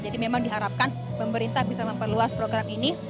jadi memang diharapkan pemerintah bisa memperluas program ini